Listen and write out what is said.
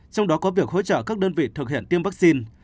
trong đó có việc hỗ trợ các đơn vị thực hiện tiêm vaccine